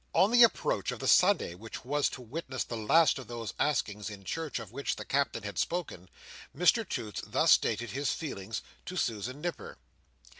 On the approach of the Sunday which was to witness the last of those askings in church of which the Captain had spoken, Mr Toots thus stated his feelings to Susan Nipper.